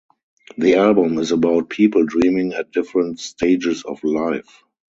The album is about people dreaming at different stages of life.